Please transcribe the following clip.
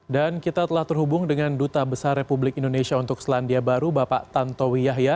dan kita telah terhubung dengan duta besar republik indonesia untuk selandia baru bapak tantowi yahya